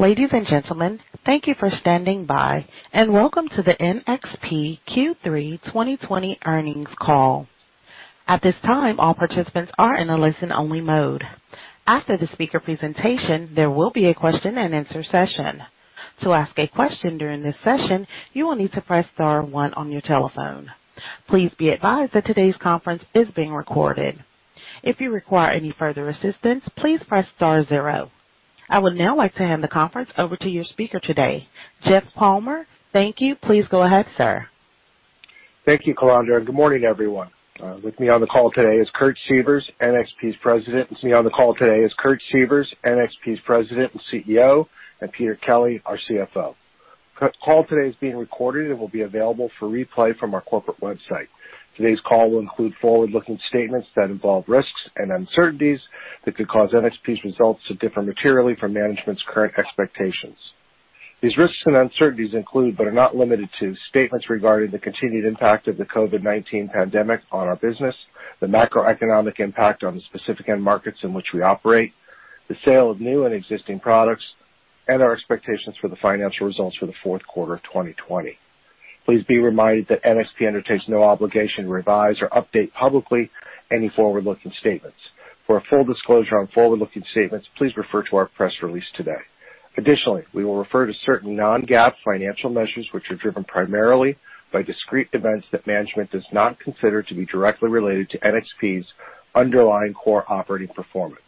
Ladies and gentlemen, thank you for standing by, and welcome to the NXP Q3 2020 Earnings Call. At this time, all participants are in a listen-only mode. After the speaker presentation, there will be a question and answer session. To ask a question during this session, you will need to press star one on your telephone. Please be advised that today's conference is being recorded. If you require any further assistance, please press star zero. I would now like to hand the conference over to your speaker today, Jeff Palmer. Thank you. Please go ahead, sir. Thank you, Calandra. Good morning, everyone. With me on the call today is Kurt Sievers, NXP's President and CEO, and Peter Kelly, our CFO. The call today is being recorded and will be available for replay from our corporate website. Today's call will include forward-looking statements that involve risks and uncertainties that could cause NXP's results to differ materially from management's current expectations. These risks and uncertainties include, but are not limited to, statements regarding the continued impact of the COVID-19 pandemic on our business, the macroeconomic impact on the specific end markets in which we operate, the sale of new and existing products, and our expectations for the financial results for the fourth quarter of 2020. Please be reminded that NXP undertakes no obligation to revise or update publicly any forward-looking statements. For a full disclosure on forward-looking statements, please refer to our press release today. Additionally, we will refer to certain non-GAAP financial measures, which are driven primarily by discrete events that management does not consider to be directly related to NXP's underlying core operating performance.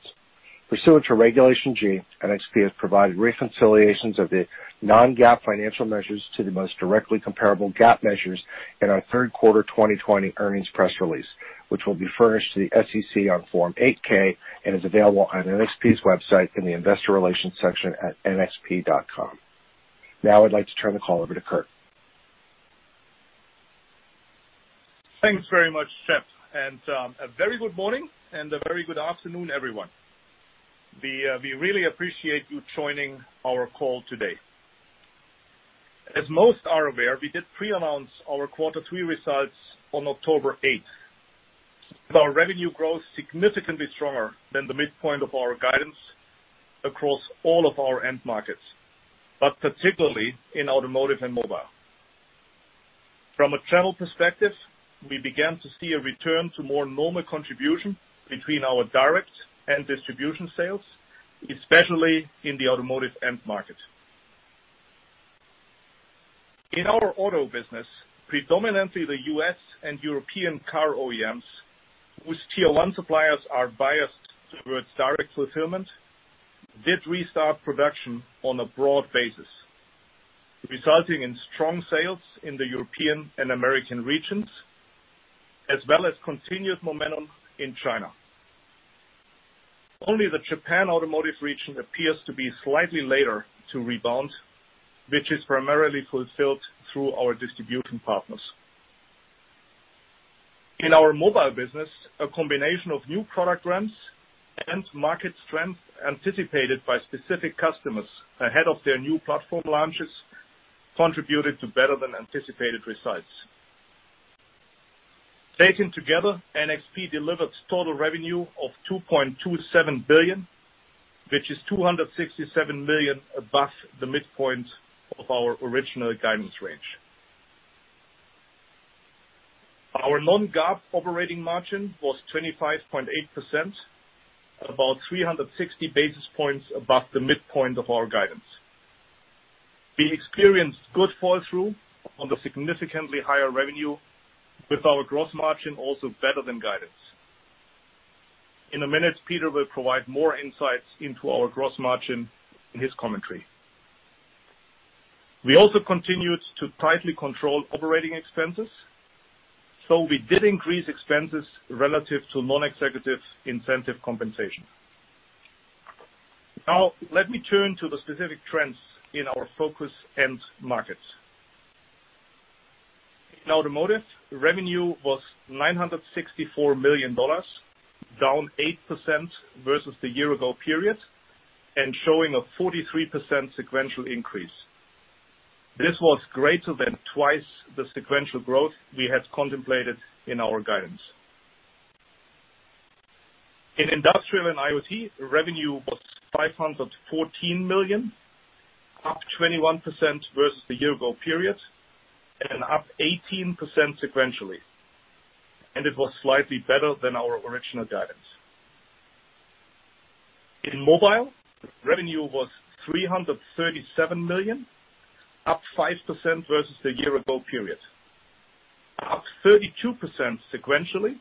Pursuant to Regulation G, NXP has provided reconciliations of the non-GAAP financial measures to the most directly comparable GAAP measures in our third quarter 2020 earnings press release, which will be furnished to the SEC on Form 8-K and is available on NXP's website in the investor relations section at nxp.com. Now I'd like to turn the call over to Kurt. Thanks very much, Jeff, and a very good morning and a very good afternoon, everyone. We really appreciate you joining our call today. As most are aware, we did pre-announce our quarter three results on October 8th, with our revenue growth significantly stronger than the midpoint of our guidance across all of our end markets, but particularly in automotive and mobile. From a channel perspective, we began to see a return to more normal contribution between our direct and distribution sales, especially in the automotive end market. In our auto business, predominantly the U.S. and European car OEMs, whose tier one suppliers are biased towards direct fulfillment, did restart production on a broad basis, resulting in strong sales in the European and American regions, as well as continued momentum in China. Only the Japan automotive region appears to be slightly later to rebound, which is primarily fulfilled through our distribution partners. In our mobile business, a combination of new product ramps and market strength anticipated by specific customers ahead of their new platform launches contributed to better than anticipated results. Taken together, NXP delivered total revenue of $2.27 billion, which is $267 million above the midpoint of our original guidance range. Our non-GAAP operating margin was 25.8%, about 360 basis points above the midpoint of our guidance. We experienced good fall-through on the significantly higher revenue with our gross margin also better than guidance. In a minute, Peter will provide more insights into our gross margin in his commentary. We also continued to tightly control operating expenses, though we did increase expenses relative to non-executive incentive compensation. Let me turn to the specific trends in our focus end markets. In Automotive, revenue was $964 million, down 8% versus the year-ago period, and showing a 43% sequential increase. This was greater than twice the sequential growth we had contemplated in our guidance. In Industrial and IoT, revenue was $514 million, up 21% versus the year-ago period, and up 18% sequentially. It was slightly better than our original guidance. In Mobile, revenue was $337 million, up 5% versus the year-ago period, up 32% sequentially.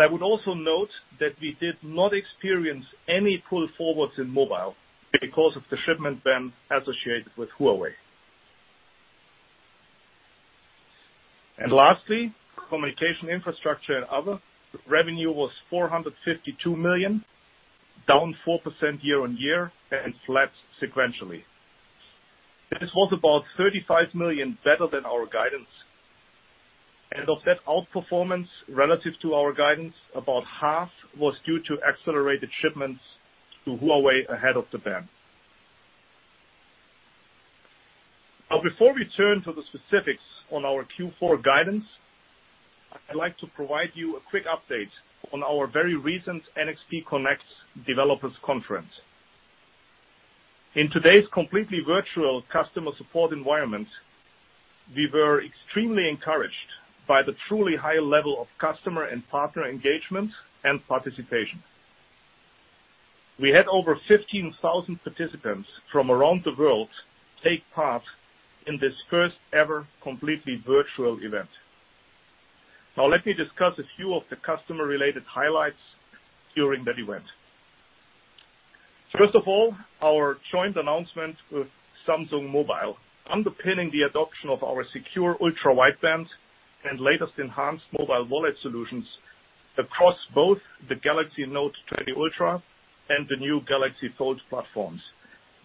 I would also note that we did not experience any pull forwards in Mobile because of the shipment ban associated with Huawei. Lastly, Communication Infrastructure & Other, revenue was $452 million, down 4% year-on-year and flat sequentially. This was about $35 million better than our guidance. Of that outperformance relative to our guidance, about half was due to accelerated shipments to Huawei ahead of the ban. Before we turn to the specifics on our Q4 guidance, I'd like to provide you a quick update on our very recent NXP Connects Developers Conference. In today's completely virtual customer support environment, we were extremely encouraged by the truly high level of customer and partner engagement and participation. We had over 15,000 participants from around the world take part in this first ever completely virtual event. Let me discuss a few of the customer-related highlights during that event. First of all, our joint announcement with Samsung Mobile, underpinning the adoption of our secure ultra-wideband and latest enhanced mobile wallet solutions across both the Galaxy Note20 Ultra and the new Galaxy Fold platforms,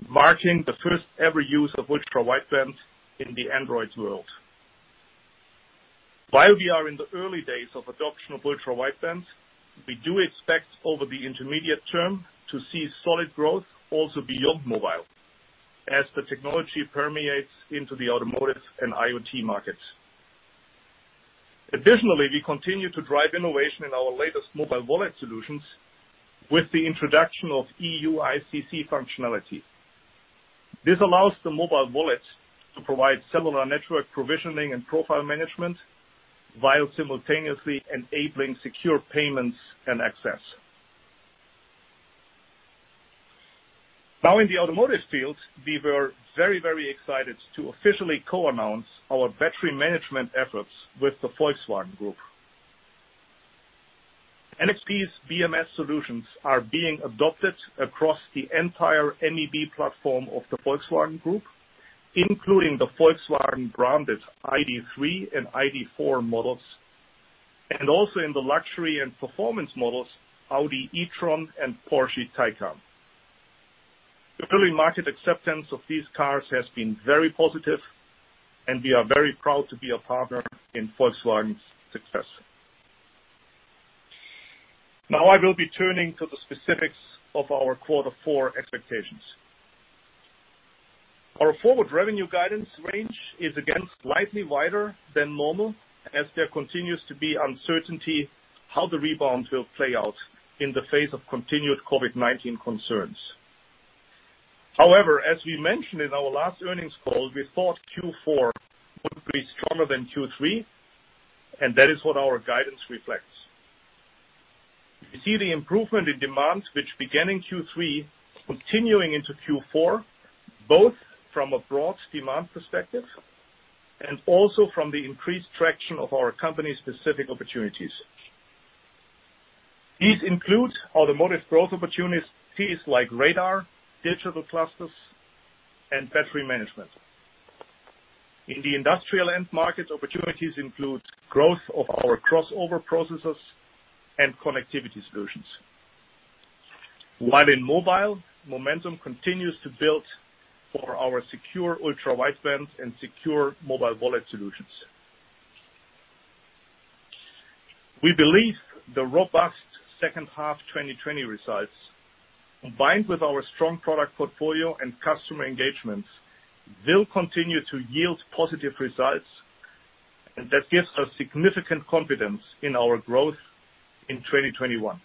marking the first ever use of ultra-wideband in the Android world. While we are in the early days of adoption of ultra-wideband, we do expect over the intermediate term to see solid growth also beyond mobile, as the technology permeates into the automotive and IoT markets. Additionally, we continue to drive innovation in our latest mobile wallet solutions with the introduction of eUICC functionality. This allows the mobile wallet to provide similar network provisioning and profile management, while simultaneously enabling secure payments and access. Now in the automotive field, we were very excited to officially co-announce our battery management efforts with the Volkswagen Group. NXP's BMS solutions are being adopted across the entire MEB platform of the Volkswagen Group, including the Volkswagen-branded ID.3 and ID.4 models, and also in the luxury and performance models, Audi e-tron and Porsche Taycan. The early market acceptance of these cars has been very positive, and we are very proud to be a partner in Volkswagen's success. Now I will be turning to the specifics of our quarter four expectations. Our forward revenue guidance range is again slightly wider than normal, as there continues to be uncertainty how the rebound will play out in the face of continued COVID-19 concerns. However, as we mentioned in our last earnings call, we thought Q4 would be stronger than Q3, and that is what our guidance reflects. We see the improvement in demand, which began in Q3 continuing into Q4, both from a broad demand perspective and also from the increased traction of our company's specific opportunities. These include automotive growth opportunities like radar, digital clusters, and battery management. In the industrial end market, opportunities include growth of our crossover processors and connectivity solutions. While in mobile, momentum continues to build for our secure ultra-wideband and secure mobile wallet solutions. We believe the robust second half 2020 results, combined with our strong product portfolio and customer engagements, will continue to yield positive results, and that gives us significant confidence in our growth in 2021.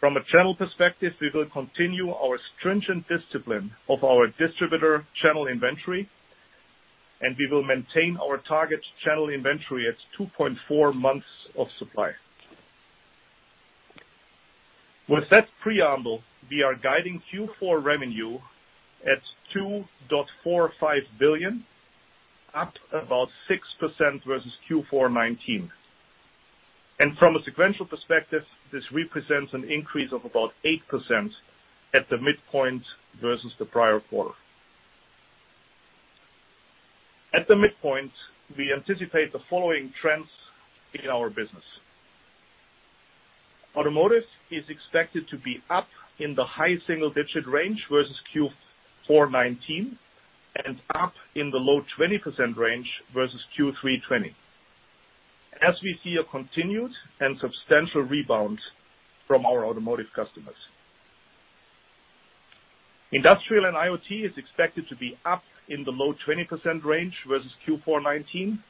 From a channel perspective, we will continue our stringent discipline of our distributor channel inventory, and we will maintain our target channel inventory at 2.4 months of supply. With that preamble, we are guiding Q4 revenue at $2.45 billion, up about 6% versus Q4 2019. From a sequential perspective, this represents an increase of about 8% at the midpoint versus the prior quarter. At the midpoint, we anticipate the following trends in our business. Automotive is expected to be up in the high single-digit range versus Q4 2019 and up in the low 20% range versus Q3 2020 as we see a continued and substantial rebound from our automotive customers. Industrial and IoT is expected to be up in the low 20% range versus Q4 2019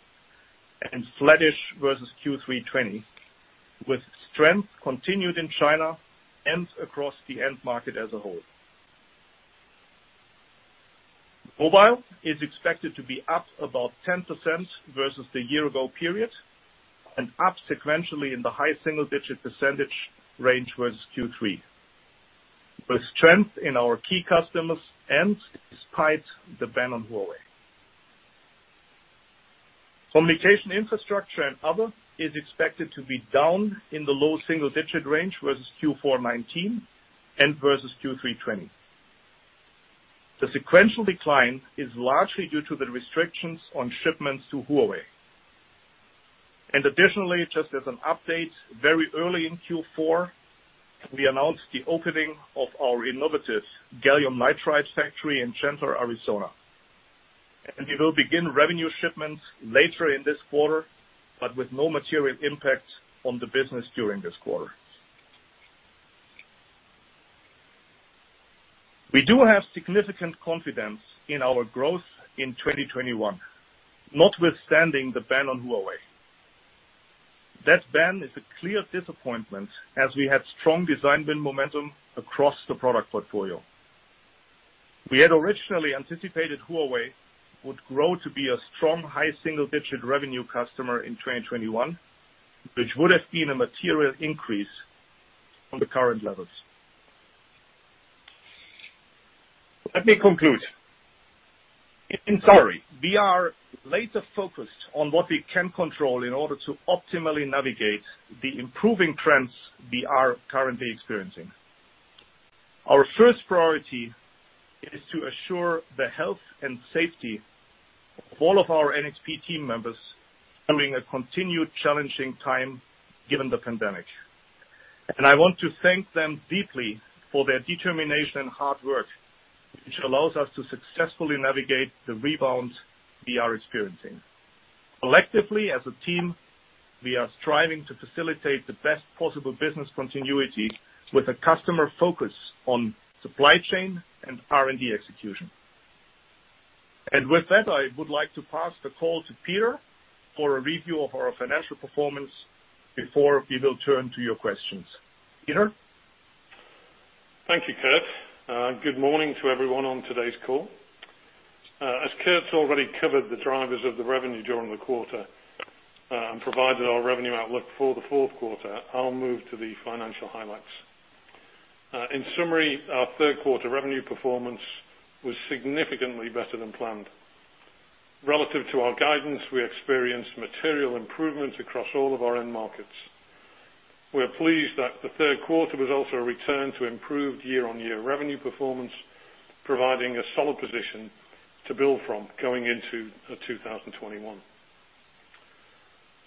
and flattish versus Q3 2020, with strength continued in China and across the end market as a whole. Mobile is expected to be up about 10% versus the year ago period and up sequentially in the high single-digit percentage range versus Q3, with strength in our key customers and despite the ban on Huawei. Communication infrastructure and other is expected to be down in the low single-digit range versus Q4 2019 and versus Q3 2020. The sequential decline is largely due to the restrictions on shipments to Huawei. Additionally, just as an update, very early in Q4, we announced the opening of our innovative gallium nitride factory in Chandler, Arizona. We will begin revenue shipments later in this quarter, but with no material impact on the business during this quarter. We do have significant confidence in our growth in 2021, notwithstanding the ban on Huawei. The ban is a clear disappointment as we had strong design win momentum across the product portfolio. We had originally anticipated Huawei would grow to be a strong high single-digit revenue customer in 2021, which would have been a material increase from the current levels. Let me conclude. In summary, we are laser-focused on what we can control in order to optimally navigate the improving trends we are currently experiencing. Our first priority is to assure the health and safety of all of our NXP team members during a continued challenging time given the pandemic. I want to thank them deeply for their determination and hard work, which allows us to successfully navigate the rebound we are experiencing. Collectively, as a team, we are striving to facilitate the best possible business continuity with a customer focus on supply chain and R&D execution. With that, I would like to pass the call to Peter for a review of our financial performance before we will turn to your questions. Peter? Thank you, Kurt. Good morning to everyone on today's call. As Kurt's already covered the drivers of the revenue during the quarter, and provided our revenue outlook for the fourth quarter, I'll move to the financial highlights. In summary, our third quarter revenue performance was significantly better than planned. Relative to our guidance, we experienced material improvements across all of our end markets. We're pleased that the third quarter was also a return to improved year-on-year revenue performance, providing a solid position to build from going into 2021.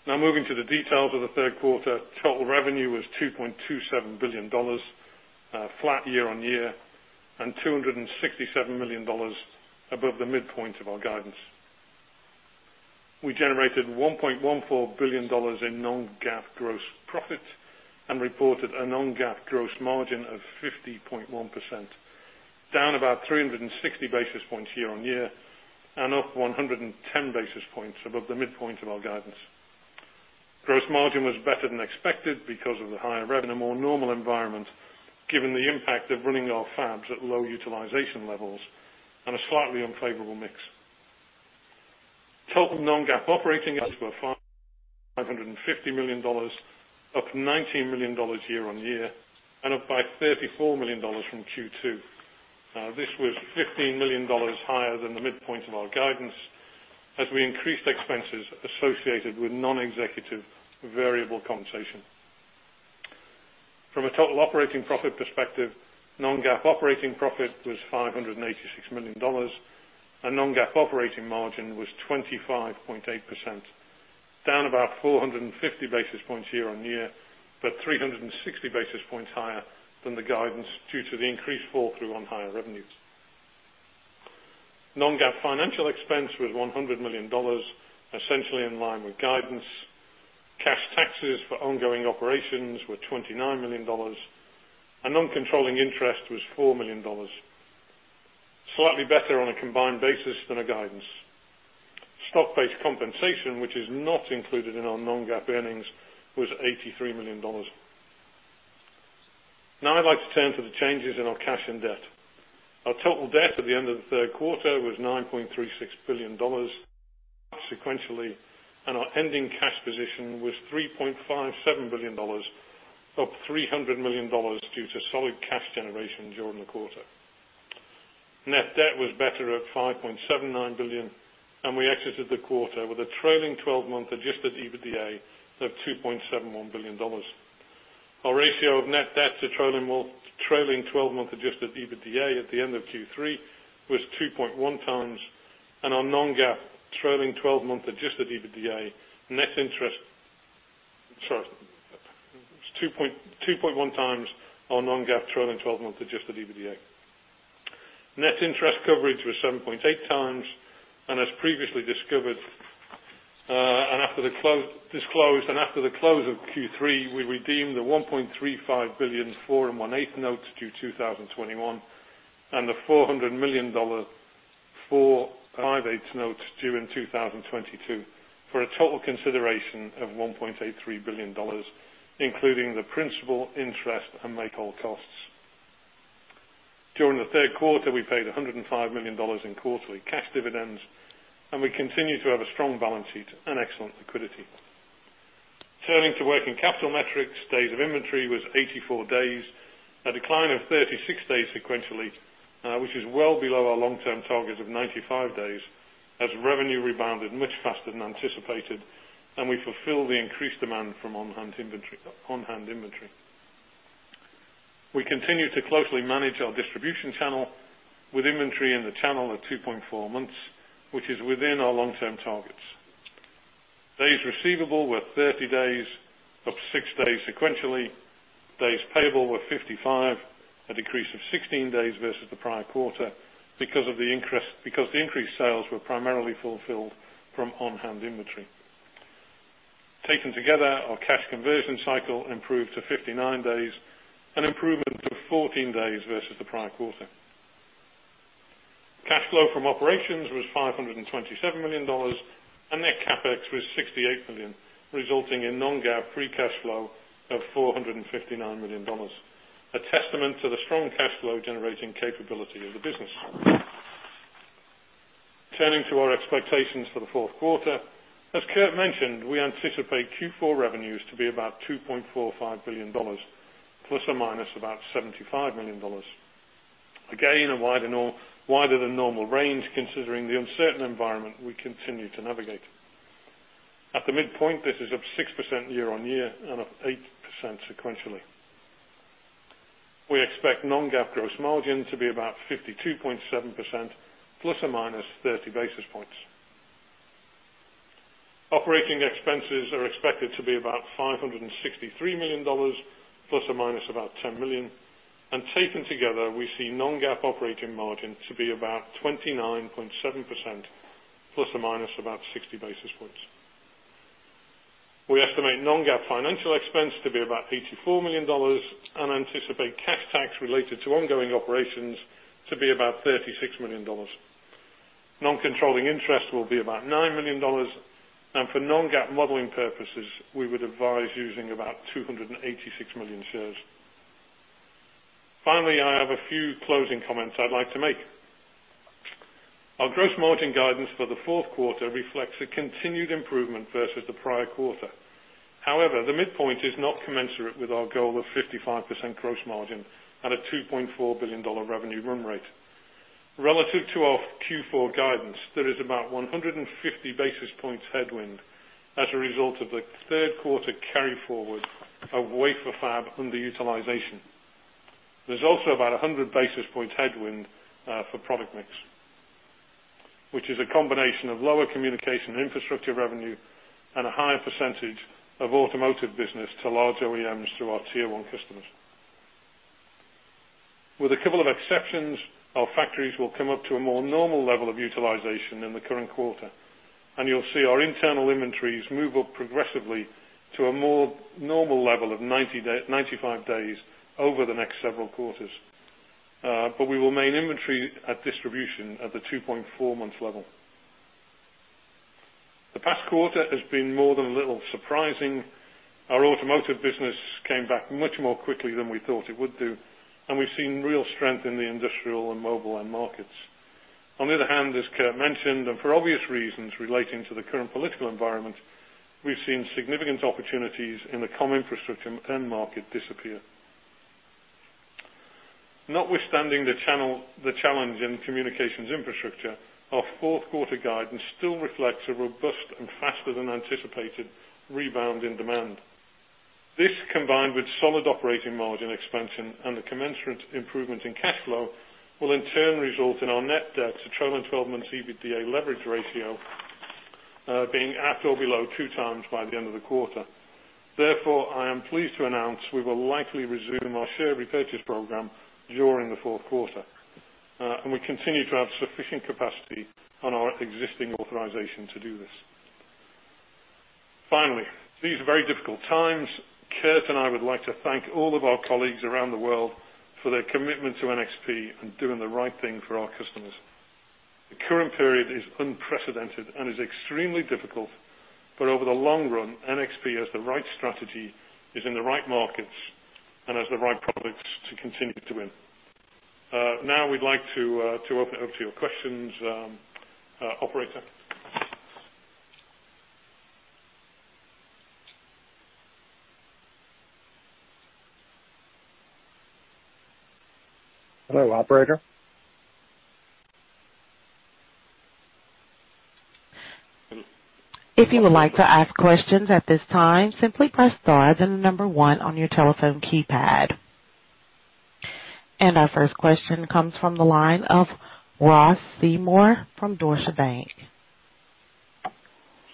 Moving to the details of the third quarter. Total revenue was $2.27 billion, flat year-on-year, and $267 million above the midpoint of our guidance. We generated $1.14 billion in non-GAAP gross profit and reported a non-GAAP gross margin of 50.1%, down about 360 basis points year-on-year, and up 110 basis points above the midpoint of our guidance. Gross margin was better than expected because of the higher revenue, a more normal environment given the impact of running our fabs at low utilization levels, and a slightly unfavorable mix. Total non-GAAP operating income was $550 million, up $19 million year-on-year, and up by $34 million from Q2. This was $15 million higher than the midpoint of our guidance as we increased expenses associated with non-executive variable compensation. From a total operating profit perspective, non-GAAP operating profit was $586 million, and non-GAAP operating margin was 25.8%, down about 450 basis points year-on-year, but 360 basis points higher than the guidance due to the increased fall through on higher revenues. Non-GAAP financial expense was $100 million, essentially in line with guidance. Cash taxes for ongoing operations were $29 million, and non-controlling interest was $4 million. Slightly better on a combined basis than our guidance. Stock-based compensation, which is not included in our non-GAAP earnings, was $83 million. Now I'd like to turn to the changes in our cash and debt. Our total debt at the end of the third quarter was $9.36 billion, up sequentially, and our ending cash position was $3.57 billion, up $300 million due to solid cash generation during the quarter. Net debt was better at $5.79 billion, and we exited the quarter with a trailing 12-month adjusted EBITDA of $2.71 billion. Our ratio of net debt to trailing 12-month adjusted EBITDA at the end of Q3 was 2.1x our non-GAAP trailing 12-month adjusted EBITDA. Net interest coverage was 7.8x, and as previously disclosed, and after the close of Q3, we redeemed the $1.35 billion, 4 1/8 notes due 2021, and the $400 million, 4 5/8 notes due in 2022 for a total consideration of $1.83 billion, including the principal, interest and make whole costs. During the third quarter, we paid $105 million in quarterly cash dividends, and we continue to have a strong balance sheet and excellent liquidity. Turning to working capital metrics, days of inventory was 84 days, a decline of 36 days sequentially, which is well below our long-term target of 95 days as revenue rebounded much faster than anticipated and we fulfilled the increased demand from on-hand inventory. We continue to closely manage our distribution channel with inventory in the channel of 2.4 months, which is within our long-term targets. Days receivable were 30 days, up six days sequentially. Days payable were 55, a decrease of 16 days versus the prior quarter because the increased sales were primarily fulfilled from on-hand inventory. Taken together, our cash conversion cycle improved to 59 days, an improvement of 14 days versus the prior quarter. Cash flow from operations was $527 million, and net CapEx was $68 million, resulting in non-GAAP free cash flow of $459 million, a testament to the strong cash flow-generating capability of the business. Turning to our expectations for the fourth quarter, as Kurt mentioned, we anticipate Q4 revenues to be about $2.45 billion, ± about $75 million. Again, a wider than normal range considering the uncertain environment we continue to navigate. At the midpoint, this is up 6% year-over-year and up 8% sequentially. We expect non-GAAP gross margin to be about 52.7%, ±30 basis points. Operating expenses are expected to be about $563 million ±$10 million. Taken together, we see non-GAAP operating margin to be about 29.7% ±60 basis points. We estimate non-GAAP financial expense to be about $84 million and anticipate cash tax related to ongoing operations to be about $36 million. Non-controlling interest will be about $9 million. For non-GAAP modeling purposes, we would advise using about 286 million shares. Finally, I have a few closing comments I'd like to make. Our gross margin guidance for the fourth quarter reflects a continued improvement versus the prior quarter. However, the midpoint is not commensurate with our goal of 55% gross margin at a $2.4 billion revenue run rate. Relative to our Q4 guidance, there is about 150 basis points headwind as a result of the third quarter carry-forward of wafer fab underutilization. There's also about 100 basis points headwind for product mix, which is a combination of lower communication infrastructure revenue and a higher percentage of automotive business to large OEMs through our tier one customers. With a couple of exceptions, our factories will come up to a more normal level of utilization in the current quarter, and you'll see our internal inventories move up progressively to a more normal level of 95 days over the next several quarters. We will maintain inventory at distribution at the 2.4 months level. The past quarter has been more than a little surprising. Our automotive business came back much more quickly than we thought it would do, and we've seen real strength in the industrial and mobile end markets. On the other hand, as Kurt mentioned, and for obvious reasons relating to the current political environment, we've seen significant opportunities in the comm infrastructure end market disappear. Notwithstanding the challenge in communications infrastructure, our fourth quarter guidance still reflects a robust and faster-than-anticipated rebound in demand. This, combined with solid operating margin expansion and a commensurate improvement in cash flow, will in turn result in our net debt to trailing 12-month EBITDA leverage ratio being at or below 2x by the end of the quarter. Therefore, I am pleased to announce we will likely resume our share repurchase program during the fourth quarter. We continue to have sufficient capacity on our existing authorization to do this. Finally, these are very difficult times. Kurt and I would like to thank all of our colleagues around the world for their commitment to NXP and doing the right thing for our customers. The current period is unprecedented and is extremely difficult, but over the long run, NXP has the right strategy, is in the right markets, and has the right products to continue to win. Now we'd like to open it up to your questions. Operator? Hello, operator? If you would like to ask question at this time simply press star then number one on your telephone keypad. And our first question comes from the line of Ross Seymore from Deutsche Bank.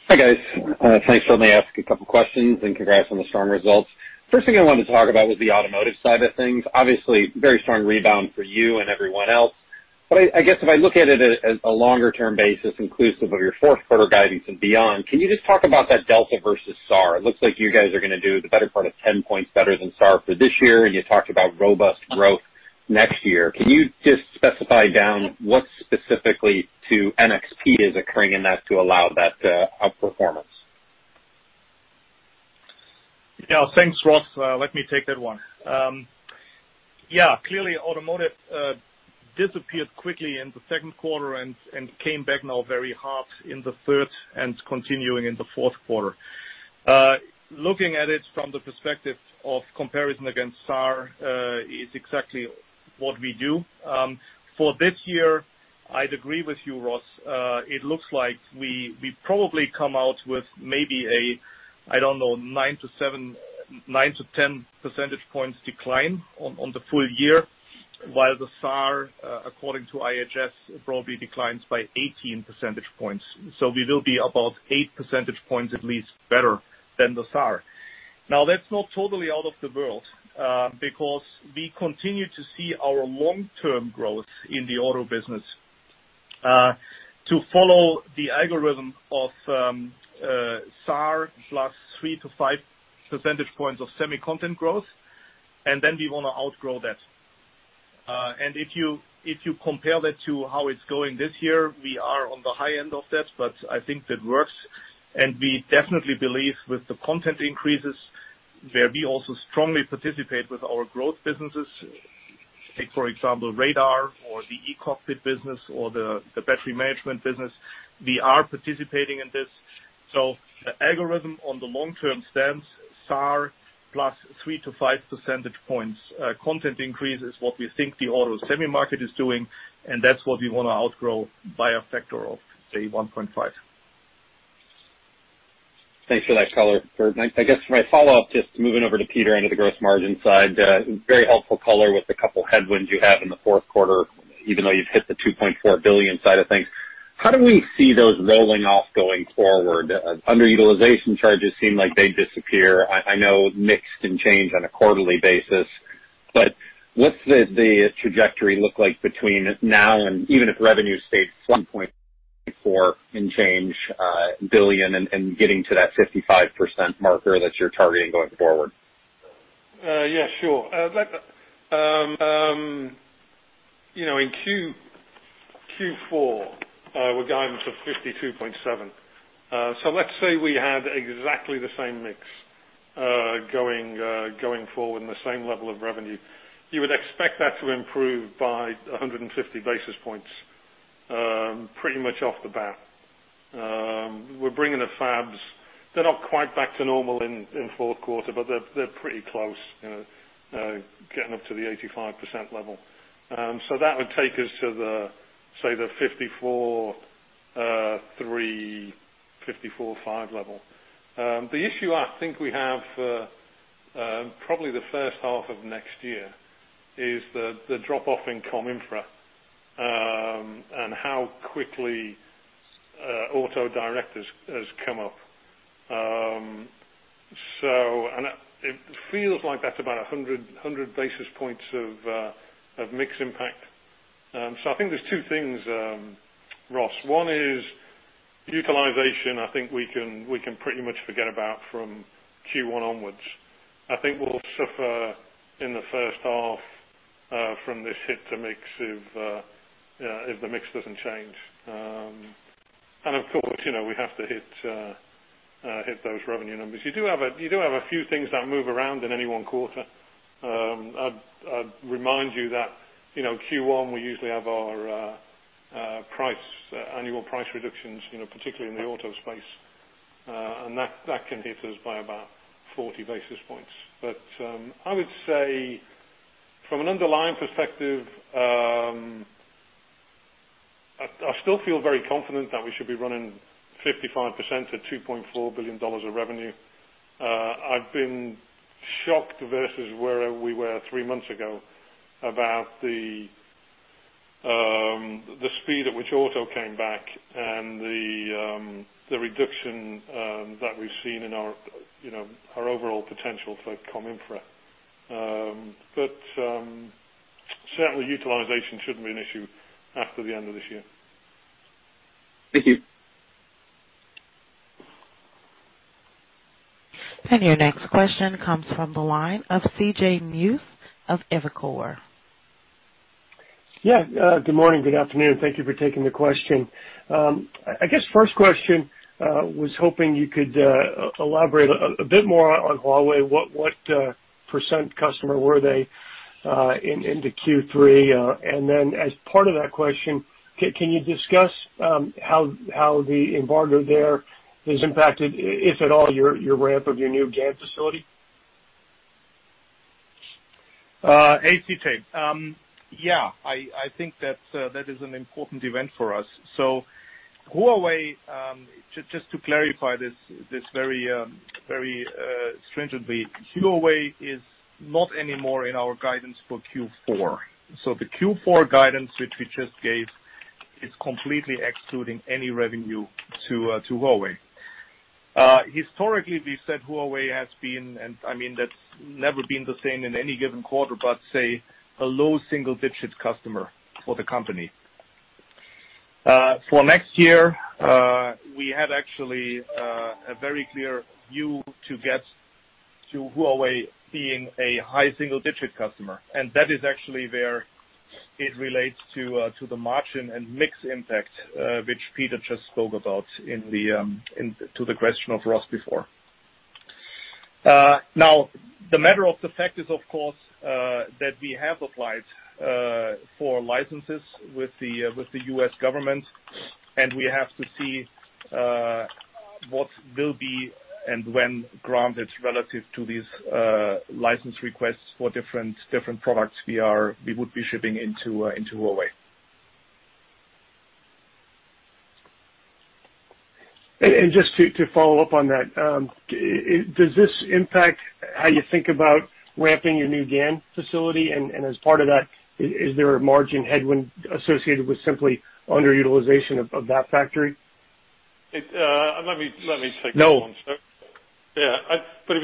Hi, guys. Thanks for letting me ask a couple questions, and congrats on the strong results. First thing I wanted to talk about was the automotive side of things. Obviously, very strong rebound for you and everyone else. I guess if I look at it as a longer-term basis, inclusive of your fourth quarter guidance and beyond, can you just talk about that delta versus SAAR? It looks like you guys are going to do the better part of 10 points better than SAAR for this year, and you talked about robust growth next year. Can you just specify down what specifically to NXP is occurring in that to allow that outperformance? Yeah. Thanks, Ross. Let me take that one. Yeah. Clearly, automotive disappeared quickly in the second quarter and came back now very hard in the third and continuing in the fourth quarter. Looking at it from the perspective of comparison against SAAR is exactly what we do. For this year, I'd agree with you, Ross. It looks like we probably come out with maybe a, I don't know, nine to 10 percentage points decline on the full year, while the SAAR, according to IHS, probably declines by 18 percentage points. We will be about eight percentage points at least better than the SAAR. Now, that's not totally out of the world, because we continue to see our long-term growth in the auto business To follow the algorithm of SAAR plus three-five percentage points of semi content growth, and then we want to outgrow that. If you compare that to how it's going this year, we are on the high end of that, but I think that works. We definitely believe with the content increases, where we also strongly participate with our growth businesses, take, for example, radar or the eCockpit business or the battery management business, we are participating in this. The algorithm on the long-term stance, SAAR plus three-five percentage points content increase is what we think the auto semi market is doing, and that's what we want to outgrow by a factor of, say, 1.5. Thanks for that color, Kurt. I guess my follow-up, just moving over to Peter into the gross margin side. Very helpful color with the couple of headwinds you had in the fourth quarter, even though you've hit the $2.4 billion side of things. How do we see those rolling off going forward? Underutilization charges seem like they disappear. I know mix can change on a quarterly basis, but what's the trajectory look like between now and even if revenue stays $1.4 billion and change and getting to that 55% marker that you're targeting going forward? Yeah, sure. In Q4, we're guiding for 52.7%. Let's say we had exactly the same mix going forward and the same level of revenue. You would expect that to improve by 150 basis points, pretty much off the bat. We're bringing the fabs. They're not quite back to normal in fourth quarter, but they're pretty close, getting up to the 85% level. That would take us to the, say, the 54.3%, 54.5% level. The issue I think we have for probably the first half of next year is the drop-off in comm infra and how quickly auto direct has come up. It feels like that's about 100 basis points of mix impact. I think there's two things, Ross. One is utilization, I think we can pretty much forget about from Q1 onwards. I think we'll suffer in the first half from this hit to mix if the mix doesn't change. Of course, we have to hit those revenue numbers. You do have a few things that move around in any one quarter. I'd remind you that Q1, we usually have our annual price reductions, particularly in the Auto space. That can hit us by about 40 basis points. I would say from an underlying perspective, I still feel very confident that we should be running 55% at $2.4 billion of revenue. I've been shocked versus where we were three months ago about the speed at which Auto came back and the reduction that we've seen in our overall potential for comm infra. Certainly, utilization shouldn't be an issue after the end of this year. Thank you. Your next question comes from the line of CJ Muse of Evercore. Yeah. Good morning. Good afternoon. Thank you for taking the question. I guess first question, was hoping you could elaborate a bit more on Huawei. What percent customer were they into Q3? As part of that question, can you discuss how the embargo there has impacted, if at all, your ramp of your new GaN facility? Hey, CJ. Yeah, I think that is an important event for us. Just to clarify this very strangely, Huawei is not anymore in our guidance for Q4. The Q4 guidance, which we just gave, is completely excluding any revenue to Huawei. Historically, we said Huawei has been, and I mean, that's never been the same in any given quarter, but say a low single-digit customer for the company. For next year, we have actually a very clear view to get to Huawei being a high single-digit customer, and that is actually where it relates to the margin and mix impact, which Peter just spoke about to the question of Ross before. The matter of the fact is, of course, that we have applied for licenses with the U.S. government, and we have to see what will be and when granted relative to these license requests for different products we would be shipping into Huawei. Just to follow up on that, does this impact how you think about ramping your new GaN facility? As part of that, is there a margin headwind associated with simply underutilization of that factory? Let me take that one, Kurt. If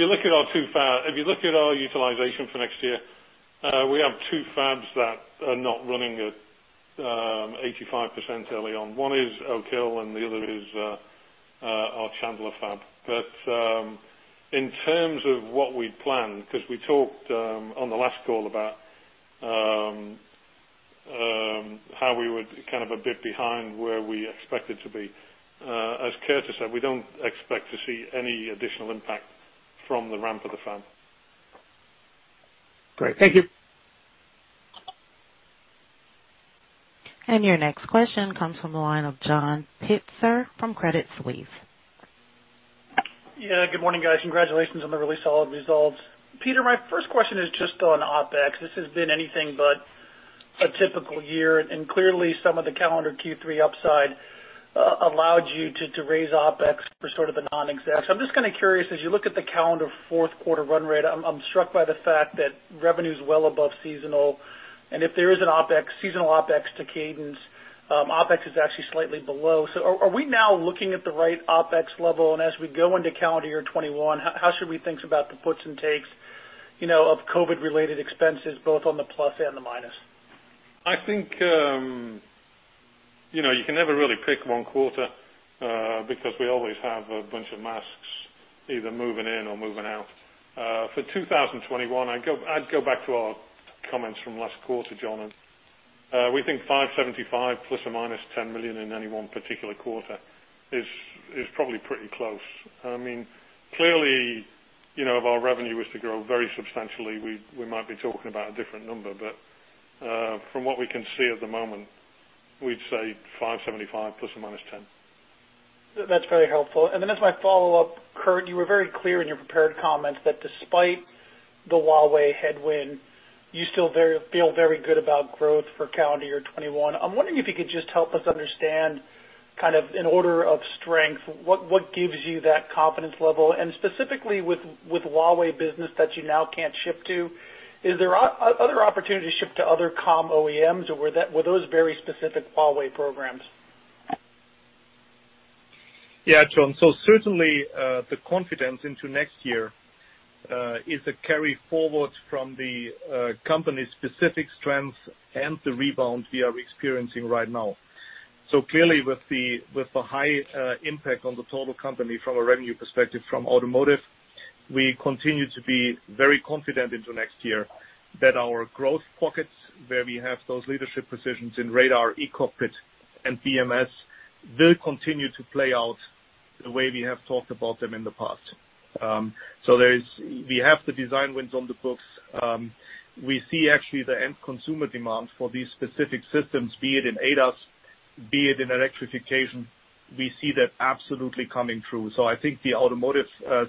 you look at our utilization for next year, we have two fabs that are not running at 85% early on. One is Oak Hill and the other is our Chandler fab. In terms of what we'd planned, because we talked on the last call about how we were a bit behind where we expected to be, as Kurt has said, we don't expect to see any additional impact from the ramp of the fab. Great. Thank you. Your next question comes from the line of John Pitzer from Credit Suisse. Good morning, guys. Congratulations on the really solid results. Peter, my first question is just on OpEx. This has been anything but a typical year, and clearly some of the calendar Q3 upside allowed you to raise OpEx for sort of the non-execs. I'm just kind of curious, as you look at the calendar fourth quarter run rate, I'm struck by the fact that revenue is well above seasonal, and if there is a seasonal OpEx to cadence, OpEx is actually slightly below. Are we now looking at the right OpEx level? As we go into calendar year 2021, how should we think about the puts and takes of COVID-related expenses, both on the plus and the minus? I think you can never really pick one quarter, because we always have a bunch of masks either moving in or moving out. For 2021, I'd go back to our comments from last quarter, John. We think $575 million ±$10 million in any one particular quarter is probably pretty close. Clearly, if our revenue was to grow very substantially, we might be talking about a different number. From what we can see at the moment, we'd say $575 ±$10. That's very helpful. Then as my follow-up, Kurt, you were very clear in your prepared comments that despite the Huawei headwind, you still feel very good about growth for calendar year 2021. I'm wondering if you could just help us understand, kind of in order of strength, what gives you that confidence level? Specifically with Huawei business that you now can't ship to, is there other opportunities to ship to other comm OEMs, or were those very specific Huawei programs? Yeah, John. Certainly, the confidence into next year is a carry forward from the company's specific strengths and the rebound we are experiencing right now. Clearly with the high impact on the total company from a revenue perspective from automotive, we continue to be very confident into next year that our growth pockets, where we have those leadership positions in radar, eCockpit, and BMS, will continue to play out the way we have talked about them in the past. We have the design wins on the books. We see actually the end consumer demand for these specific systems, be it in ADAS, be it in electrification. We see that absolutely coming true. I think the automotive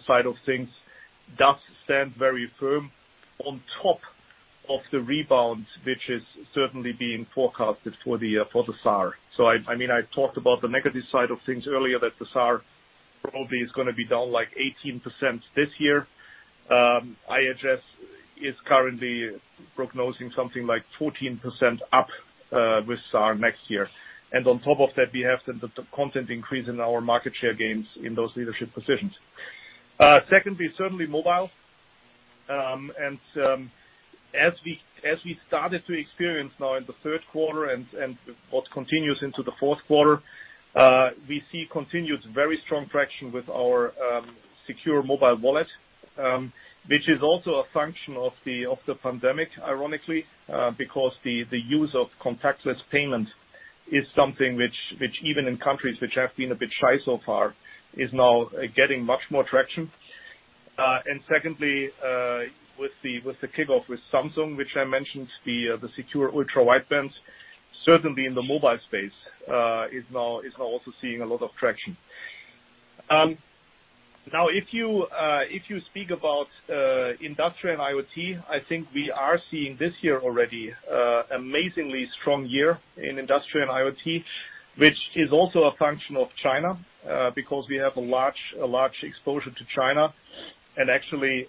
side of things does stand very firm on top of the rebound, which is certainly being forecasted for the SAAR. I talked about the negative side of things earlier, that the SAAR probably is going to be down like 18% this year. IHS is currently prognosing something like 14% up with SAAR next year. On top of that, we have the content increase in our market share gains in those leadership positions. Secondly, certainly mobile. As we started to experience now in the third quarter and what continues into the fourth quarter, we see continued very strong traction with our secure mobile wallet, which is also a function of the pandemic, ironically, because the use of contactless payment is something which even in countries which have been a bit shy so far, is now getting much more traction. Secondly, with the kickoff with Samsung, which I mentioned, the secure ultra-wideband, certainly in the mobile space is now also seeing a lot of traction. If you speak about industrial IoT, I think we are seeing this year already amazingly strong year in industrial IoT, which is also a function of China, because we have a large exposure to China. Actually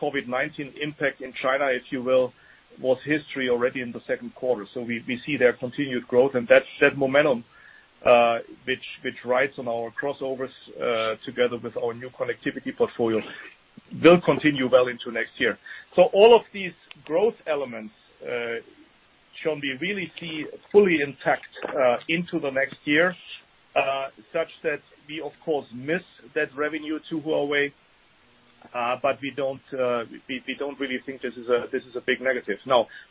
COVID-19 impact in China, if you will, was history already in the second quarter. We see their continued growth and that momentum, which rides on our crossovers together with our new connectivity portfolio, will continue well into next year. All of these growth elements, John, we really see fully intact into the next year, such that we of course miss that revenue to Huawei, but we don't really think this is a big negative.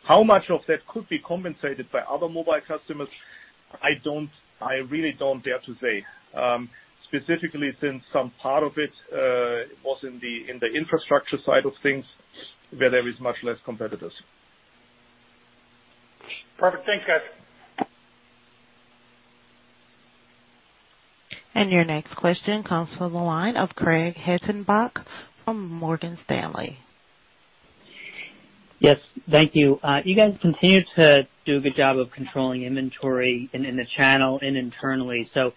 How much of that could be compensated by other mobile customers? I really don't dare to say. Specifically since some part of it was in the infrastructure side of things where there is much less competitors. Perfect. Thanks, guys. Your next question comes from the line of Craig Hettenbach from Morgan Stanley. Yes. Thank you. You guys continue to do a good job of controlling inventory in the channel and internally. Can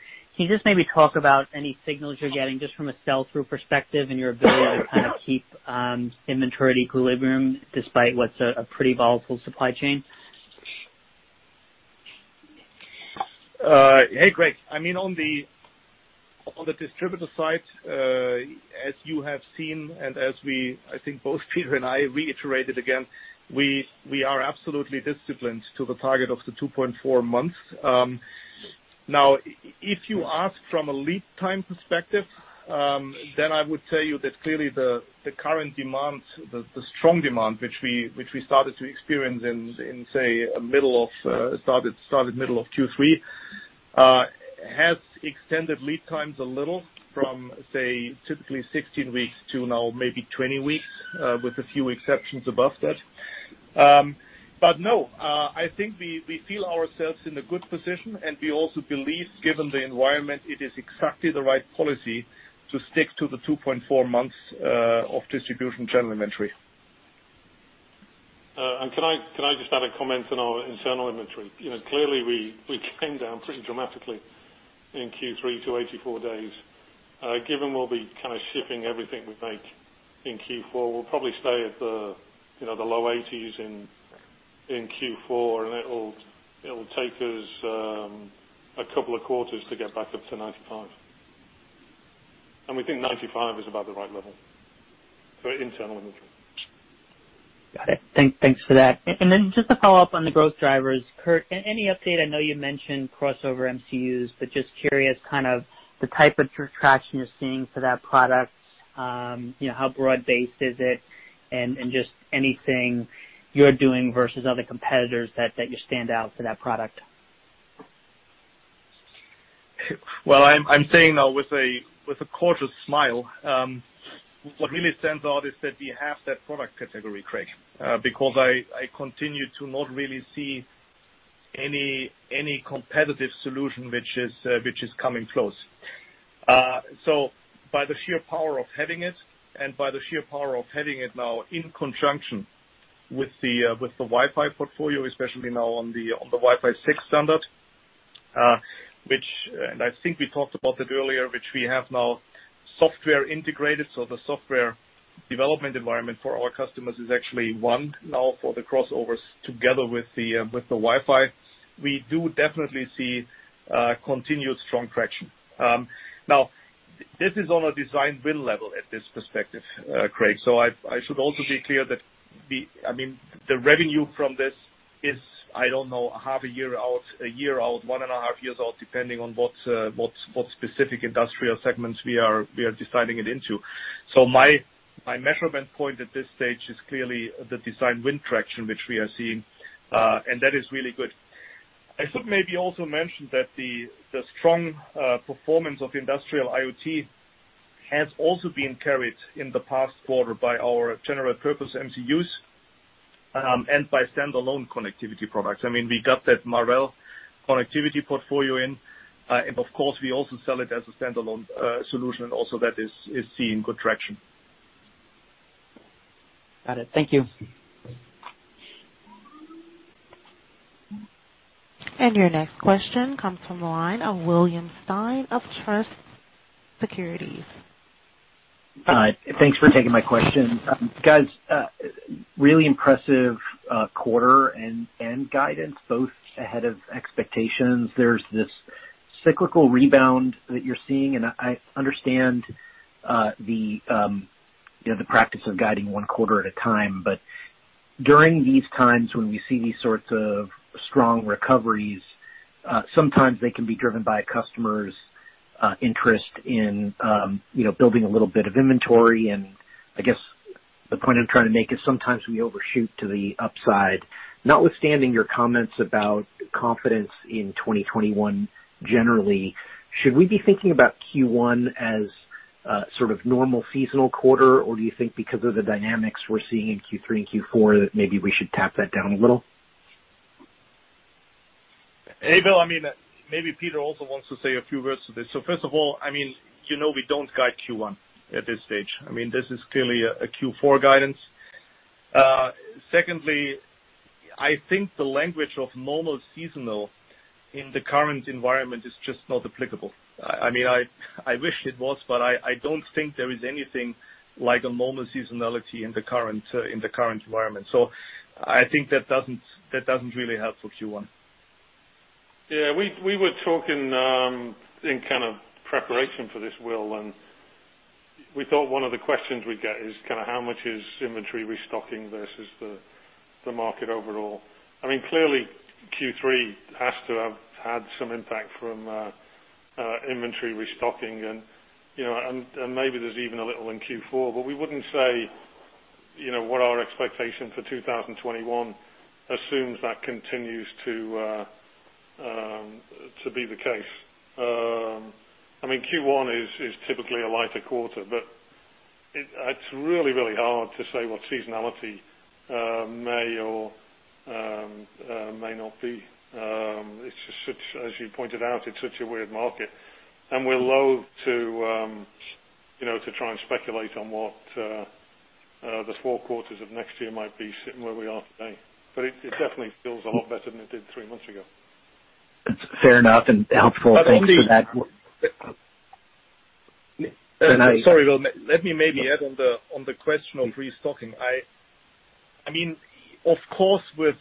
you just maybe talk about any signals you're getting just from a sell-through perspective and your ability to kind of keep inventory at equilibrium despite what's a pretty volatile supply chain? Hey, Craig. On the distributor side, as you have seen, and as I think both Peter and I reiterated again, we are absolutely disciplined to the target of the 2.4 months. If you ask from a lead time perspective, then I would tell you that clearly the strong demand, which we started to experience in, started middle of Q3, has extended lead times a little from, say, typically 16 weeks to now maybe 20 weeks, with a few exceptions above that. No, I think we feel ourselves in a good position, and we also believe, given the environment, it is exactly the right policy to stick to the 2.4 months of distribution general inventory. Can I just add a comment on our internal inventory? Clearly, we came down pretty dramatically in Q3 to 84 days. Given we'll be shipping everything we make in Q4, we'll probably stay at the low 80s in Q4, and it will take us a couple of quarters to get back up to 95. We think 95 is about the right level for internal inventory. Got it. Thanks for that. Just to follow up on the growth drivers, Kurt, any update? I know you mentioned Crossover MCUs, just curious the type of traction you're seeing for that product. How broad-based is it, just anything you're doing versus other competitors that you stand out for that product? I'm saying now with a courteous smile, what really stands out is that we have that product category, Craig, because I continue to not really see any competitive solution which is coming close. By the sheer power of having it, and by the sheer power of having it now in conjunction with the Wi-Fi portfolio, especially now on the Wi-Fi 6 standard, and I think we talked about it earlier, which we have now software integrated, so the software development environment for our customers is actually one now for the Crossovers together with the Wi-Fi. We do definitely see continued strong traction. This is on a design win level at this perspective, Craig. I should also be clear that the revenue from this is, I don't know, a half a year out, a year out, one and a half years out, depending on what specific industrial segments we are designing it into. My measurement point at this stage is clearly the design win traction, which we are seeing, and that is really good. I should maybe also mention that the strong performance of industrial IoT has also been carried in the past quarter by our general purpose MCUs, and by standalone connectivity products. We got that Marvell connectivity portfolio in, and of course, we also sell it as a standalone solution, and also that is seeing good traction. Got it. Thank you. Your next question comes from the line of William Stein of Truist Securities. Hi. Thanks for taking my question. Guys, really impressive quarter and end guidance, both ahead of expectations. There's this cyclical rebound that you're seeing. I understand the practice of guiding one quarter at a time. During these times when we see these sorts of strong recoveries, sometimes they can be driven by customers' interest in building a little bit of inventory. I guess the point I'm trying to make is sometimes we overshoot to the upside. Notwithstanding your comments about confidence in 2021 generally, should we be thinking about Q1 as a sort of normal seasonal quarter, or do you think because of the dynamics we're seeing in Q3 and Q4, that maybe we should tap that down a little? Hey, Bill. Maybe Peter also wants to say a few words to this. First of all, you know we don't guide Q1 at this stage. This is clearly a Q4 guidance. Secondly, I think the language of normal seasonal in the current environment is just not applicable. I wish it was, but I don't think there is anything like a normal seasonality in the current environment. I think that doesn't really help for Q1. Yeah. We were talking in preparation for this, Will, and we thought one of the questions we'd get is how much is inventory restocking versus the market overall. Clearly, Q3 has to have had some impact from inventory restocking and maybe there's even a little in Q4, but we wouldn't say what our expectation for 2021 assumes that continues to be the case. Q1 is typically a lighter quarter, but it's really, really hard to say what seasonality may or may not be. As you pointed out, it's such a weird market, and we're loathe to try and speculate on what the four quarters of next year might be sitting where we are today. It definitely feels a lot better than it did three months ago. That's fair enough and helpful. Thanks for that. Sorry, Will. Let me maybe add on the question of restocking. Of course, with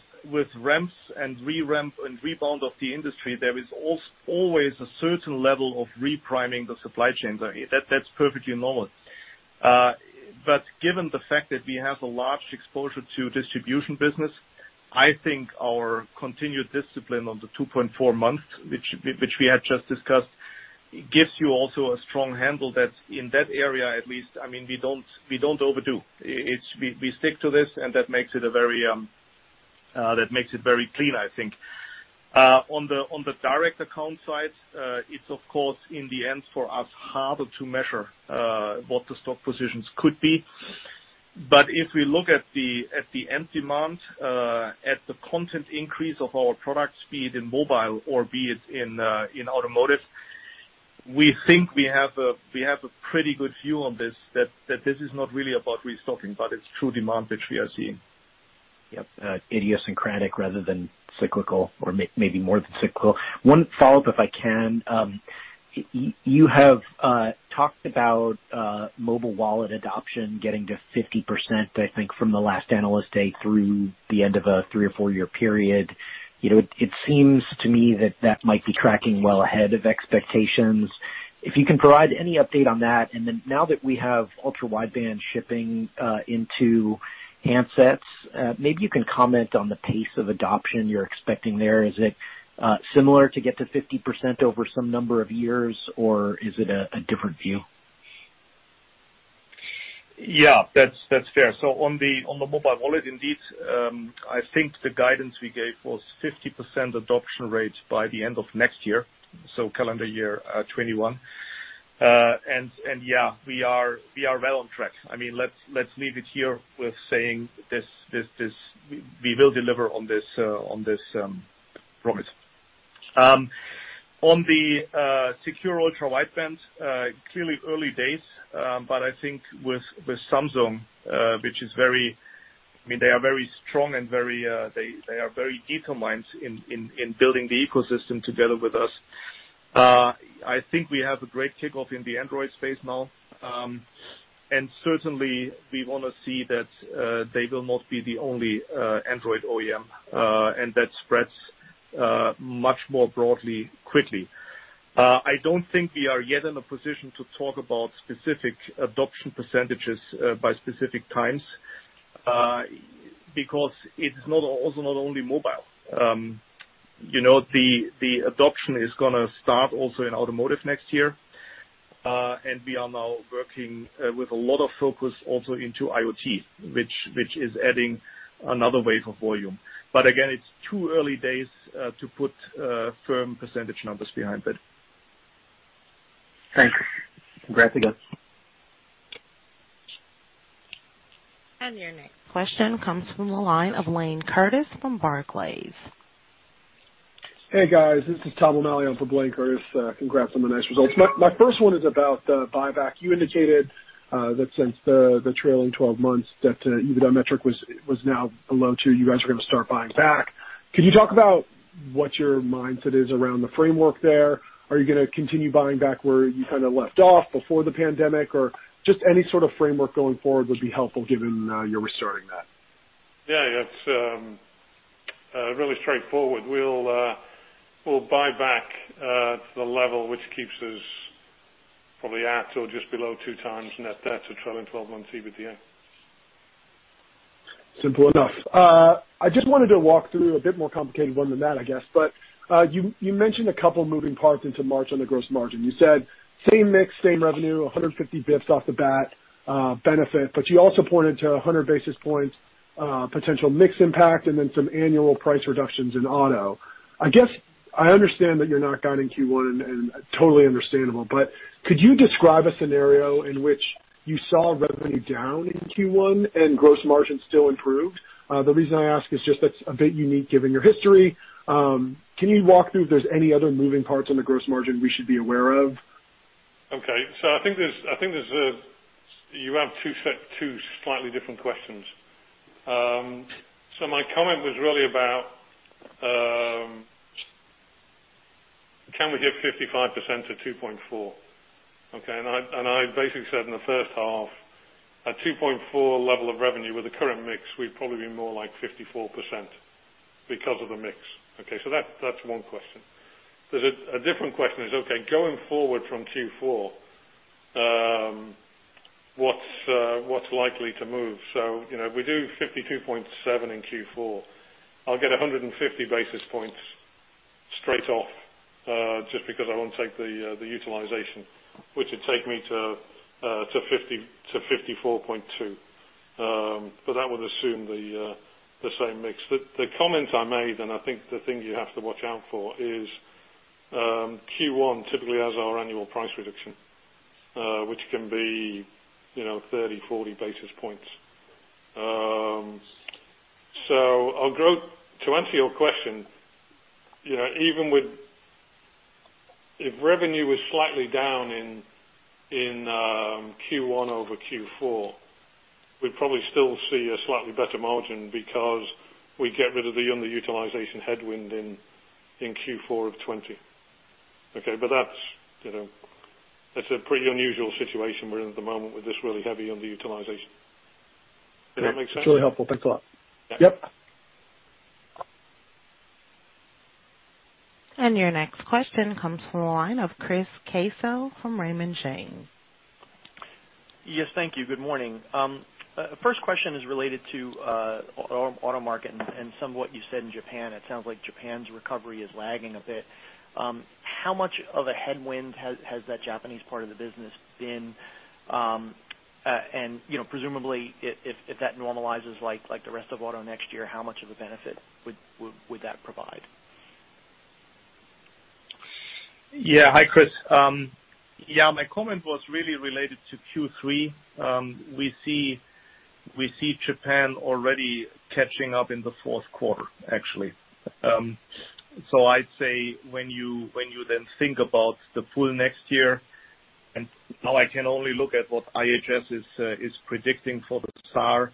ramps and re-ramp and rebound of the industry, there is always a certain level of re-priming the supply chain. That's perfectly normal. Given the fact that we have a large exposure to distribution business, I think our continued discipline on the 2.4 months, which we have just discussed, gives you also a strong handle that in that area, at least, we don't overdo. We stick to this, and that makes it very clean, I think. On the direct account side, it's of course, in the end for us, harder to measure what the stock positions could be. If we look at the end demand, at the content increase of our product, be it in mobile or be it in automotive, we think we have a pretty good view on this, that this is not really about restocking, but it's true demand which we are seeing. Yep. Idiosyncratic rather than cyclical, or maybe more than cyclical. One follow-up, if I can. You have talked about mobile wallet adoption getting to 50%, I think, from the last analyst day through the end of a three or four-year period. It seems to me that that might be tracking well ahead of expectations. If you can provide any update on that, and then now that we have ultra-wideband shipping into handsets, maybe you can comment on the pace of adoption you're expecting there. Is it similar to get to 50% over some number of years, or is it a different view? Yeah, that's fair. On the mobile wallet, indeed, I think the guidance we gave was 50% adoption rate by the end of next year, so calendar year 2021. Yeah, we are well on track. Let's leave it here with saying we will deliver on this promise. On the secure ultra-wideband, clearly early days, but I think with Samsung, they are very strong and they are very determined in building the ecosystem together with us. I think we have a great kickoff in the Android space now. Certainly, we want to see that they will not be the only Android OEM, and that spreads much more broadly quickly. I don't think we are yet in a position to talk about specific adoption percentages by specific times, because it's also not only mobile. The adoption is going to start also in automotive next year. We are now working with a lot of focus also into IoT, which is adding another wave of volume. Again, it's too early days to put firm percentage numbers behind it. Thanks. Congrats, again. Your next question comes from the line of Blayne Curtis from Barclays. Hey, guys. This is Tom O'Malley on for Blayne Curtis. Congrats on the nice results. My first one is about the buyback. You indicated that since the trailing 12 months that EBITDA metric was now below two, you guys are going to start buying back. Could you talk about what your mindset is around the framework there? Are you going to continue buying back where you left off before the pandemic, or just any sort of framework going forward would be helpful given you're restarting that? Yeah. It's really straightforward. We'll buy back to the level which keeps us probably at or just below two times net debt to trailing 12 months EBITDA. Simple enough. I just wanted to walk through a bit more complicated one than that, I guess. But you mentioned a couple moving parts into March on the gross margin. You said same mix, same revenue, 150 basis points off the bat benefit, but you also pointed to 100 basis points potential mix impact, and then some annual price reductions in auto. I understand that you're not guiding Q1, and totally understandable, but could you describe a scenario in which you saw revenue down in Q1 and gross margin still improved? The reason I ask is just that's a bit unique given your history. Can you walk through if there's any other moving parts on the gross margin we should be aware of? Okay. I think you have two slightly different questions. My comment was really about, can we get 55% to $2.4? Okay. I basically said in the first half, at $2.4 level of revenue with the current mix, we'd probably be more like 54% because of the mix. Okay. That's one question. A different question is, okay, going forward from Q4, what's likely to move? We do 52.7% in Q4. I'll get 150 basis points straight off, just because I won't take the utilization, which would take me to 54.2%. That would assume the same mix. The comment I made, and I think the thing you have to watch out for is Q1 typically has our annual price reduction, which can be 30, 40 basis points. To answer your question, if revenue was slightly down in Q1 over Q4, we probably still see a slightly better margin because we get rid of the underutilization headwind in Q4 of 2020. Okay? That's a pretty unusual situation we're in at the moment with this really heavy underutilization. Did that make sense? That's really helpful. Thanks a lot. Yeah. Your next question comes from the line of Chris Caso from Raymond James. Yes, thank you. Good morning. First question is related to auto market and some of what you said in Japan. It sounds like Japan's recovery is lagging a bit. How much of a headwind has that Japanese part of the business been? Presumably, if that normalizes like the rest of auto next year, how much of a benefit would that provide? Yeah. Hi, Chris. Yeah, my comment was really related to Q3. We see Japan already catching up in the fourth quarter, actually. I'd say, when you then think about the full next year, and now I can only look at what IHS is predicting for the SAAR,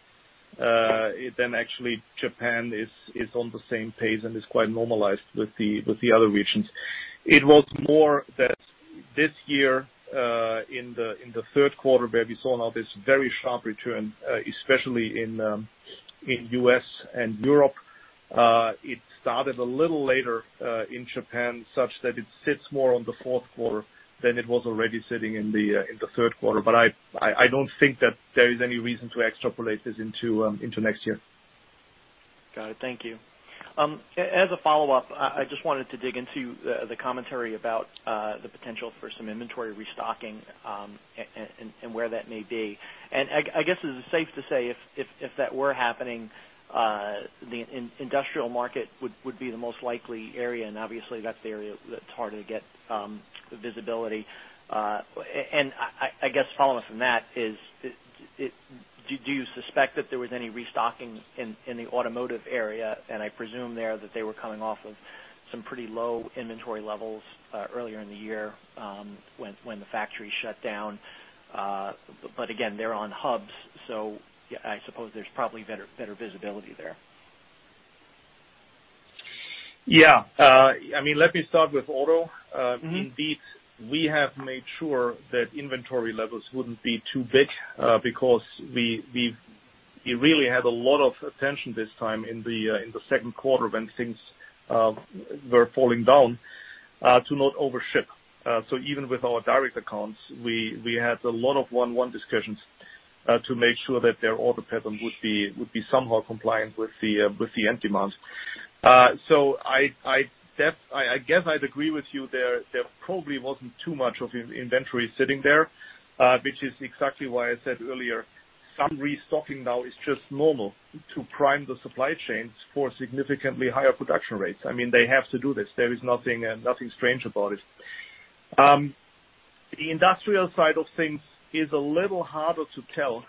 then actually Japan is on the same pace and is quite normalized with the other regions. It was more that this year, in the third quarter, where we saw now this very sharp return, especially in U.S. and Europe. It started a little later, in Japan, such that it sits more on the fourth quarter than it was already sitting in the third quarter. I don't think that there is any reason to extrapolate this into next year. Got it. Thank you. As a follow-up, I just wanted to dig into the commentary about the potential for some inventory restocking, and where that may be. I guess, is it safe to say if that were happening, the industrial market would be the most likely area, obviously that's the area that's harder to get visibility. I guess following from that is, do you suspect that there was any restocking in the automotive area? I presume there that they were coming off of some pretty low inventory levels earlier in the year, when the factories shut down. Again, they're on hubs, so I suppose there's probably better visibility there. Yeah. Let me start with auto. We have made sure that inventory levels wouldn't be too big, because we really had a lot of attention this time in the second quarter when things were falling down, to not overship. Even with our direct accounts, we had a lot of one-one discussions to make sure that their order pattern would be somewhat compliant with the end demand. I guess I'd agree with you there. There probably wasn't too much of inventory sitting there, which is exactly why I said earlier, some restocking now is just normal to prime the supply chains for significantly higher production rates. They have to do this. There is nothing strange about it. The industrial side of things is a little harder to tell,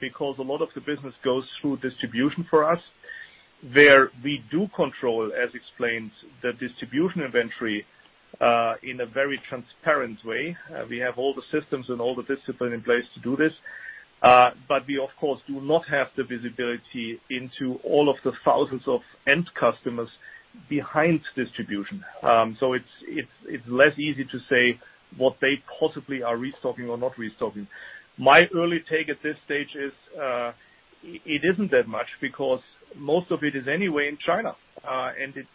because a lot of the business goes through distribution for us. Where we do control, as explained, the distribution inventory, in a very transparent way. We have all the systems and all the discipline in place to do this. We, of course, do not have the visibility into all of the thousands of end customers behind distribution. It's less easy to say what they possibly are restocking or not restocking. My early take at this stage is, it isn't that much because most of it is anyway in China.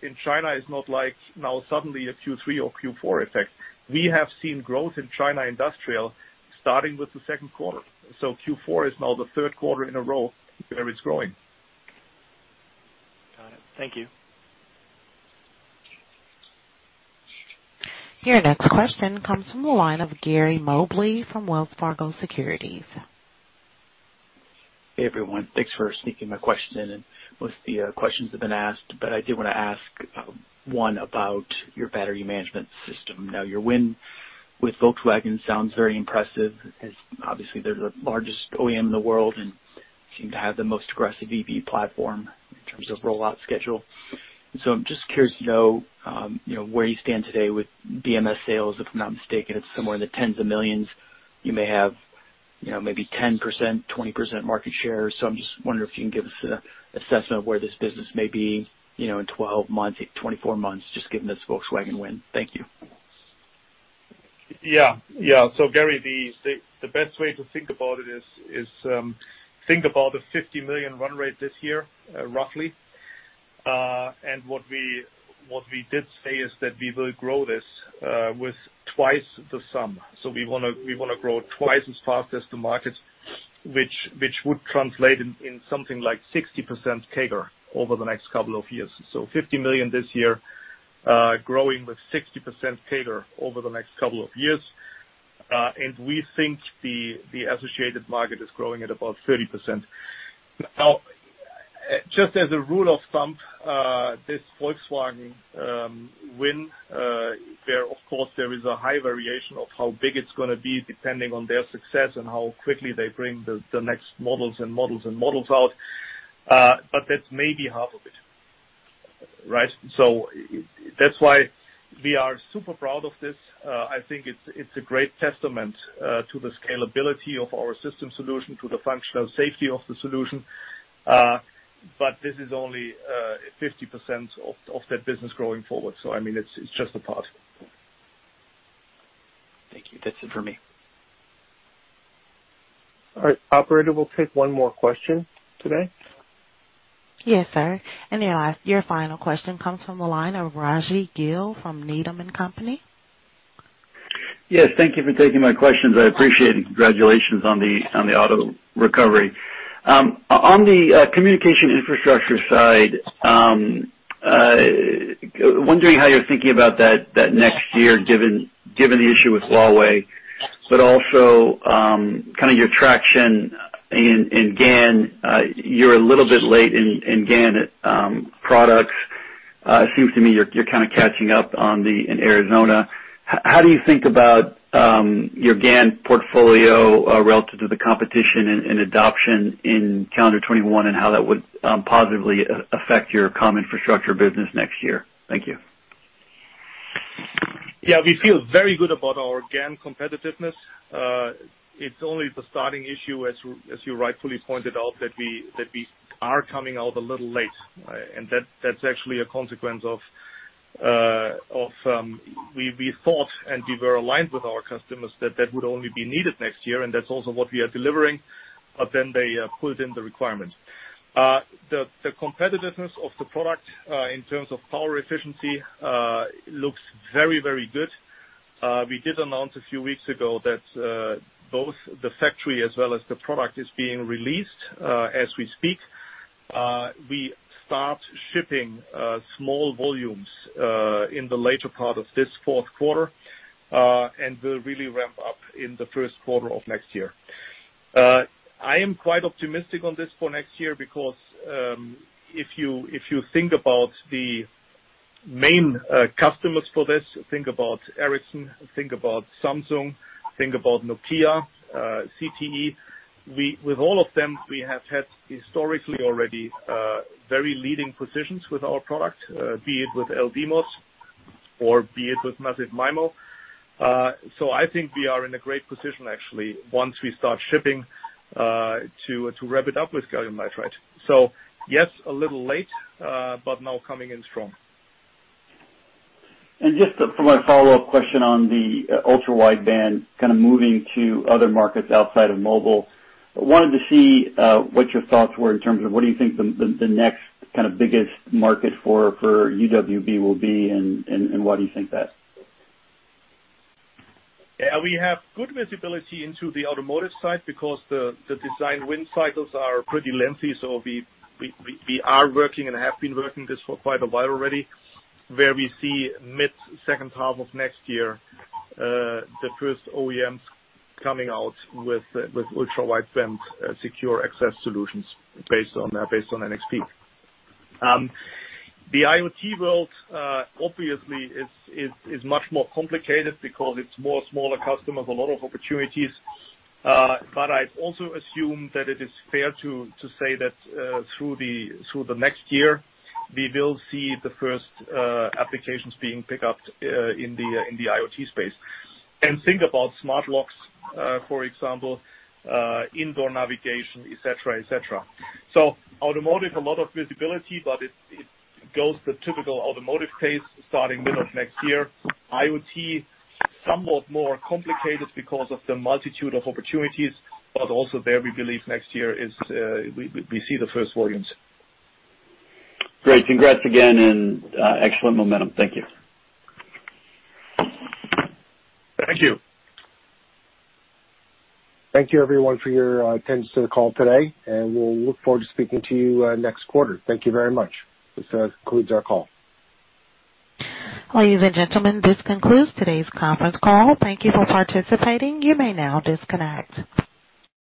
In China, it's not like now suddenly a Q3 or Q4 effect. We have seen growth in China industrial starting with the second quarter. Q4 is now the third quarter in a row where it's growing. Got it. Thank you. Your next question comes from the line of Gary Mobley from Wells Fargo Securities. Hey, everyone. Thanks for sneaking my question in. Most of the questions have been asked, but I did want to ask one about your battery management system. Now, your win with Volkswagen sounds very impressive, as obviously they're the largest OEM in the world and seem to have the most aggressive EV platform in terms of rollout schedule. I'm just curious to know where you stand today with BMS sales. If I'm not mistaken, it's somewhere in the tens of millions. You may have maybe 10%, 20% market share. I'm just wondering if you can give us an assessment of where this business may be in 12 months, 24 months, just given this Volkswagen win. Thank you. Yeah. Gary, the best way to think about it is, think about the $50 million run rate this year, roughly. What we did say is that we will grow this with twice the sum. We wanna grow twice as fast as the market, which would translate in something like 60% CAGR over the next couple of years. $50 million this year, growing with 60% CAGR over the next couple of years. We think the associated market is growing at about 30%. Now, just as a rule of thumb, this Volkswagen win, of course, there is a high variation of how big it's gonna be depending on their success and how quickly they bring the next models and models and models out. That's maybe half of it, right? That's why we are super proud of this. I think it's a great testament to the scalability of our system solution, to the functional safety of the solution. This is only 50% of that business growing forward. It's just a part. Thank you. That's it for me. All right. Operator, we'll take one more question today. Yes, sir. Your final question comes from the line of Rajvi Gill from Needham & Company. Yes. Thank you for taking my questions. I appreciate it. Congratulations on the auto recovery. On the communication infrastructure side, wondering how you're thinking about that next year, given the issue with Huawei, but also your traction in GaN. You're a little bit late in GaN products. It seems to me you're kind of catching up in Arizona. How do you think about your GaN portfolio relative to the competition and adoption in calendar 2021, and how that would positively affect your comm infrastructure business next year? Thank you. Yeah, we feel very good about our GaN competitiveness. It's only the starting issue, as you rightfully pointed out, that we are coming out a little late. That's actually a consequence of we thought and we were aligned with our customers that that would only be needed next year, and that's also what we are delivering. They pulled in the requirements. The competitiveness of the product in terms of power efficiency looks very, very good. We did announce a few weeks ago that both the factory as well as the product is being released as we speak. We start shipping small volumes in the later part of this fourth quarter, and will really ramp up in the first quarter of next year. I am quite optimistic on this for next year because if you think about the main customers for this, think about Ericsson, think about Samsung, think about Nokia, ZTE. With all of them, we have had historically already very leading positions with our product, be it with LDMOS or be it with massive MIMO. I think we are in a great position, actually, once we start shipping to wrap it up with gallium nitride. Yes, a little late, but now coming in strong. Just for my follow-up question on the ultra-wideband kind of moving to other markets outside of mobile. I wanted to see what your thoughts were in terms of what do you think the next kind of biggest market for UWB will be and why do you think that? Yeah. We have good visibility into the automotive side because the design win cycles are pretty lengthy. We are working and have been working this for quite a while already, where we see mid-second half of next year the first OEMs coming out with ultra-wideband secure access solutions based on NXP. The IoT world obviously is much more complicated because it's more smaller customers, a lot of opportunities. I also assume that it is fair to say that through the next year, we will see the first applications being picked up in the IoT space. Think about smart locks for example, indoor navigation, et cetera. Automotive, a lot of visibility, but it goes the typical automotive pace starting middle of next year. IoT, somewhat more complicated because of the multitude of opportunities, but also there we believe next year we see the first volumes. Great. Congrats again and excellent momentum. Thank you. Thank you. Thank you everyone for your attendance to the call today, and we'll look forward to speaking to you next quarter. Thank you very much. This concludes our call. Ladies and gentlemen, this concludes today's conference call. Thank you for participating. You may now disconnect.